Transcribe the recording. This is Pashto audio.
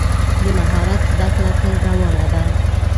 د مهارت زده کړه تل روانه ده.